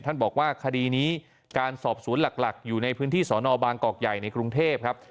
ท่านบอกว่าคดีนี้การสอบสวนหลักอยู่ในพื้นที่สอนอบางกอกใหญ่ในกรุงเทพครับ